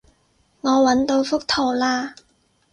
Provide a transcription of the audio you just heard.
我搵到幅圖喇